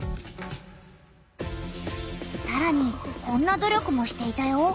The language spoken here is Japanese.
さらにこんな努力もしていたよ。